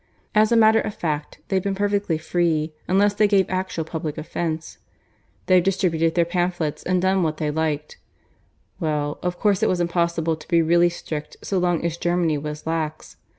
As a matter of fact they've been perfectly free, unless they gave actually public offence. They've distributed their pamphlets and done what they liked. Well, of course it was impossible to be really strict so long as Germany was lax.